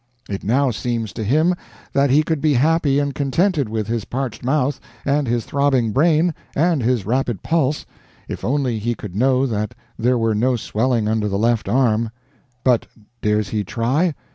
It now seems to him that he could be happy and contented with his parched mouth, and his throbbing brain, and his rapid pulse, if only he could know that there were no swelling under the left arm; but dares he try?